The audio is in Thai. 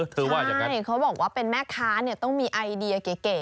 ว่าอย่างนั้นเขาบอกว่าเป็นแม่ค้าเนี่ยต้องมีไอเดียเก๋